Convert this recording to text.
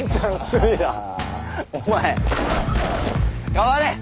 代われ。